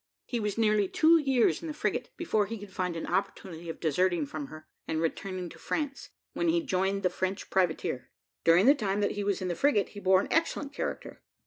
He was nearly two years in the frigate before he could find an opportunity of deserting from her, and returning to France, when he joined the French privateer. During the time that he was in the frigate, he bore an excellent character.